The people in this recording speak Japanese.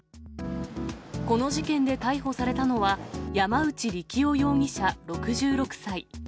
この事件で逮捕されたのは、山内利喜夫容疑者６６歳。